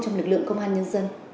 trong lực lượng công an nhân dân